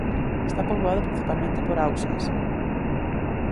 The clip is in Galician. Está poboado principalmente por hausas.